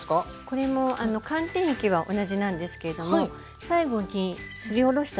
これも寒天液は同じなんですけれども最後にすりおろしたしょうがを加えて